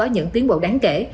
nhưng có những tiến bộ đáng kể